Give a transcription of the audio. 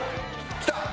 きた！